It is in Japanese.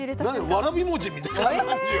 わらび餅みたいですよ。